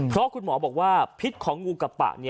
เพราะคุณหมอบอกว่าพิษของงูกับปะ